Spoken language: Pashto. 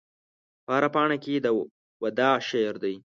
په هره پاڼه کې د وداع شعر دی